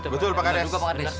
betul pak ades